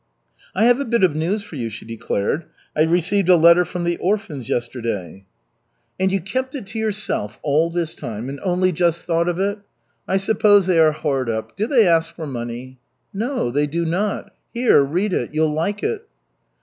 "I have a bit of news for you," she declared. "I received a letter from the orphans yesterday." "And you kept it to yourself all this time, and only just thought of it? I suppose they are hard up. Do they ask for money?" "No, they do not. Here, read it. You'll like it."